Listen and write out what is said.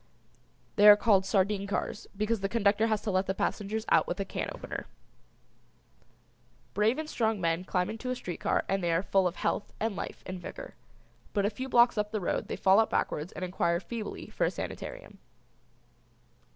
The are called "Sardine Cars" because the conductor has to let the passengers out with a can opener. Brave and strong men climb into a street car and they are full of health and life and vigor, but a few blocks up the road they fall out backwards and inquire feebly for a sanitarium.